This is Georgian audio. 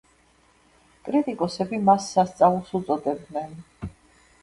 კრიტიკოსები მას სასწაულს უწოდებდნენ.